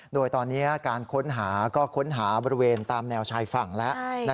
โดยตอนนี้การค้นหาก็ค้นหาบริเวณตามแนวชายฝั่งแล้ว